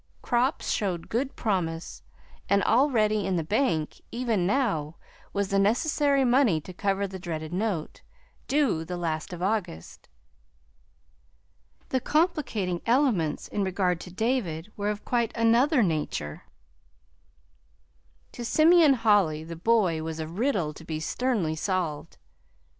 Crops showed good promise, and all ready in the bank even now was the necessary money to cover the dreaded note, due the last of August. The complicating elements in regard to David were of quite another nature. To Simeon Holly the boy was a riddle to be sternly solved.